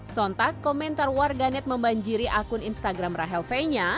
sontak komentar warga net membanjiri akun instagram rachel fenya